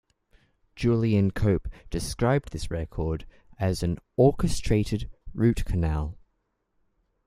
Julian Cope described this record as an "orchestrated root-canal".